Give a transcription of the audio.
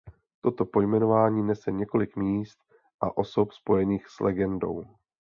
Toto pojmenování nese několik míst a osob spojených s legendou.